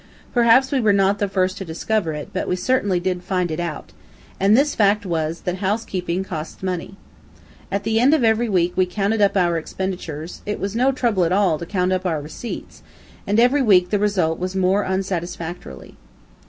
Perhaps we were not the first to discover it, but we certainly did find it out, and this fact was, that housekeeping costs money. At the end of every week we counted up our expenditures it was no trouble at all to count up our receipts and every week the result was more unsatisfactory.